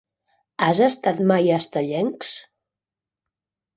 Has estat mai a Estellencs?